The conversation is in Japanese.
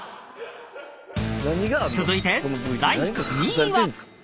［続いて第２位は］